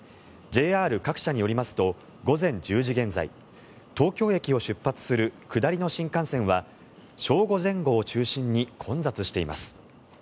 ＪＲ各社によりますと午前１０時現在東京駅を出発する下りの新幹線は正午前後を中心に混雑しています。